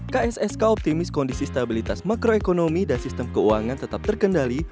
kssk optimis kondisi stabilitas makroekonomi dan sistem keuangan tetap terkendali